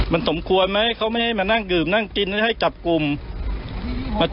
มันสมควรมั้ยเขาไม่ให้มานั่งกินให้จับกลุ่ม